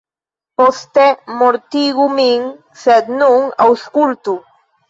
Poste mortigu min, sed nun aŭskultu.